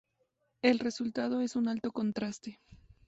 El resultado es un alto contraste.